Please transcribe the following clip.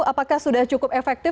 apakah sudah cukup efektif